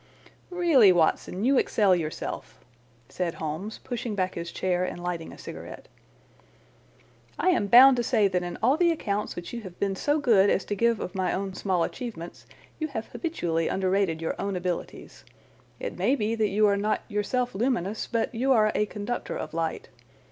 "Really, Watson, you excel yourself," said Holmes, pushing back his chair and lighting a cigarette. "I am bound to say that in all the accounts which you have been so good as to give of my own small achievements you have habitually underrated your own abilities. It may be that you are not yourself luminous, but you are a conductor of light.